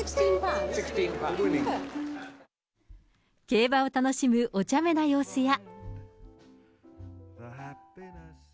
競馬を楽しむおちゃめな様子や。